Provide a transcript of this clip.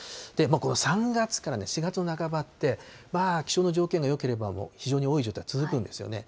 この３月から４月の半ばって、気象の条件がよければ、非常に多い状態、続くんですよね。